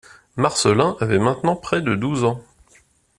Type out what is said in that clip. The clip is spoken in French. Marcelin avait maintenant près de douze ans.